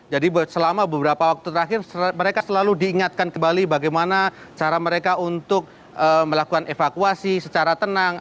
jadi selama beberapa waktu terakhir mereka selalu diingatkan kembali bagaimana cara mereka untuk melakukan evakuasi secara tenang